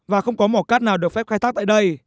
và không có mỏ cát nào được phép khai thác tại đây